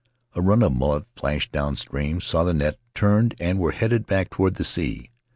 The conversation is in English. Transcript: A run of mullet flashed downstream, saw the net, turned, and were headed back toward the sea.